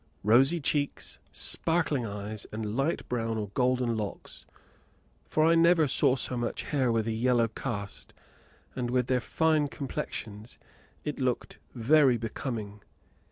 Rosy cheeks, sparkling eyes, and light brown or golden locks; for I never saw so much hair with a yellow cast, and, with their fine complexions, it looked very becoming.